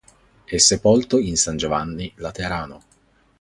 È sepolto in San Giovanni in Laterano.